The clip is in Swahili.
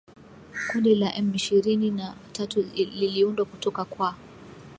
Kundi la M ishirini na tatu liliundwa kutoka kwa